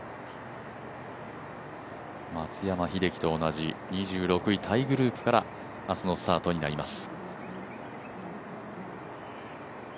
松山英樹と同じ２６位タイグループから明日のスタートになります。